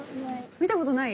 ◆見たことない？